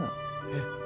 えっ？